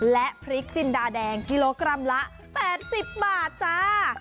และพริกจินดาแดงกิโลกรัมละ๘๐บาทจ้า